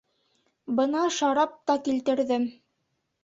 Бына шарап та килтерҙем.